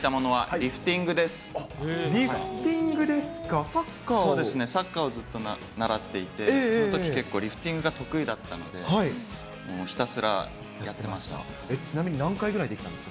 リフティングですか、サッカサッカーをずっと習っていて、そのとき結構、リフティングが得意だったので、ひたすらやってまちなみに、なんかぐらいできたんですか？